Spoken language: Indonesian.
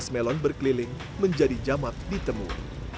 gas melon berkeliling menjadi jamat ditemui